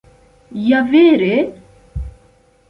Ja vere?